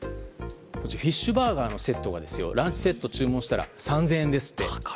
フィッシューバーガーのセットランチセットで注文したら３０００円ですって。